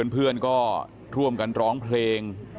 เพื่อนก็ร่วมกันร้องเพลง